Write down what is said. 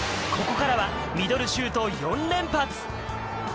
ここからはミドルシュート４連発。